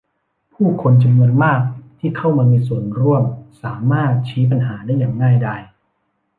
ผู้คนจำนวนมากที่เข้ามามีส่วนร่วมสามารถชี้ปัญหาได้อย่างง่ายดาย